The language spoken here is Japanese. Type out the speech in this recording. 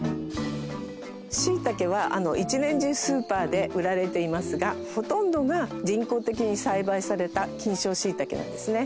しいたけは１年中スーパーで売られていますがほとんどが人工的に栽培された菌床しいたけなんですね